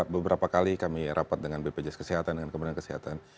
beberapa kali kami rapat dengan bpjs kesehatan dengan kementerian kesehatan